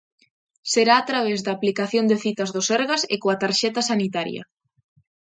Será a través da aplicación de citas do Sergas e coa tarxeta sanitaria.